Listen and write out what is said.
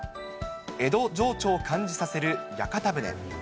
江戸情緒を感じさせる屋形船。